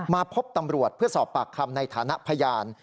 มาพบตำรวจเพื่อสอบปากคำในฐานะพยาน